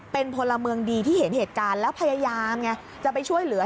เป็นพลเมืองดีที่เห็นเหตุการณ์แล้วพยายามไงจะไปช่วยเหลือ